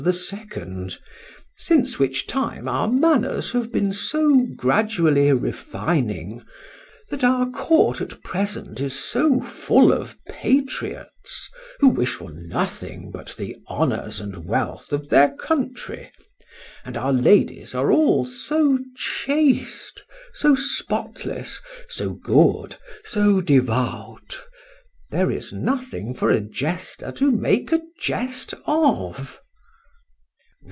—since which time our manners have been so gradually refining, that our court at present is so full of patriots, who wish for nothing but the honours and wealth of their country;—and our ladies are all so chaste, so spotless, so good, so devout,—there is nothing for a jester to make a jest of.